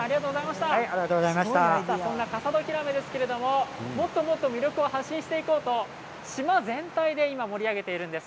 こんな笠戸ひらめですがもっともっと魅力を発信していこうと島全体で盛り上げているんです。